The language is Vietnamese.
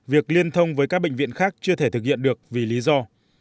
việc liên thông với các bệnh viện khác chưa thể thực hiện được vì lý do